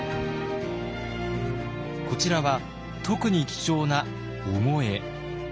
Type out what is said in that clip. こちらは特に貴重な御後絵。